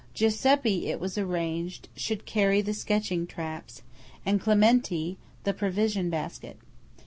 Giuseppe, it was arranged, should carry the sketching traps, and Clementi the provision basket.